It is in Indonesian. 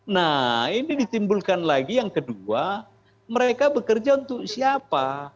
nah ini ditimbulkan lagi yang kedua mereka bekerja untuk siapa